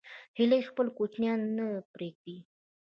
هیلۍ خپل کوچنیان نه پرېږدي